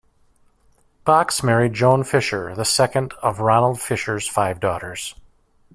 Box married Joan Fisher, the second of Ronald Fisher's five daughters.